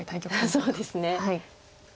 そうですね。